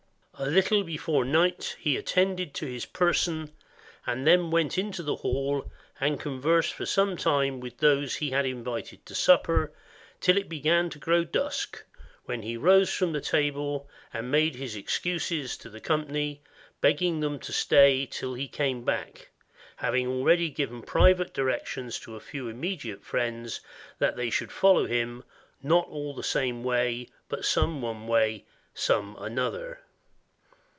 A httle before night he attended to his person, and then went into the hall, and conversed for some time with those he had invited to supper, till it began to grow dusk, when he rose from table, and made his ex cuses to the company, begging them to stay till he came back, having already given private directions to a few immediate friends, that they should follow him, not all the same way, but some one way, some another.